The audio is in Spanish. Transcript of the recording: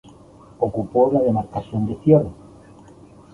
Ocupó la demarcación de cierre.